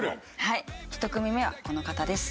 １組目はこの方です。